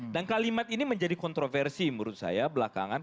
dan kalimat ini menjadi kontroversi menurut saya belakangan